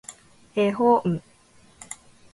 絵本